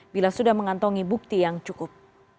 bila sudah mengantongi bukti yang cukup